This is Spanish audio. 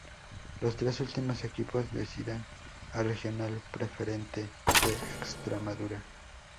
Los tres últimos equipos descienden a Regional Preferente de Extremadura.